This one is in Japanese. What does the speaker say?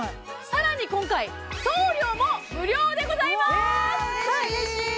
更に今回送料も無料でございます嬉しい！